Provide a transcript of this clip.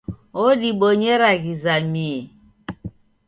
Wodibonyera ghizamie.